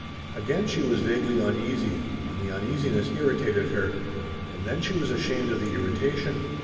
Again she was vaguely uneasy, and the uneasiness irritated her, and then she was ashamed of the irritation.